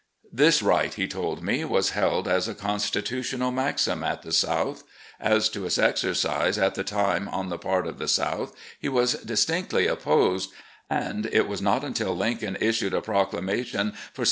This right, he told me, was held as a consti tutional maxim at the South. As to its exercise at the time on the part of the South, he was distinctly opposed, and it was not until Lincoln issued a proclamation for 75.